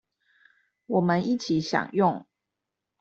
我們一起享用